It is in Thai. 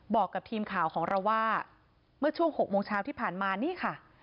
บอกกับทีมข่าวของเราว่าเมื่อช่วง๖โมงเช้าที่ผ่านมานี่ค่ะ